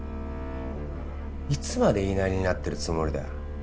いつまで言いなりになってるつもりだよ。